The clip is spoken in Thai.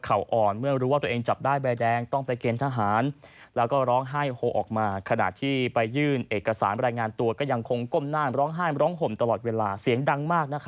๖๓๐เข็มรักดาวเปลี่ยน